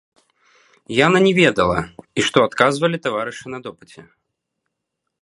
Яна не ведала, і што адказвалі таварышы на допыце.